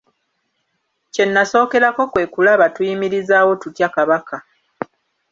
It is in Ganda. Kye nasookerako kwe kulaba tuyimirizaawo tutya Kabaka.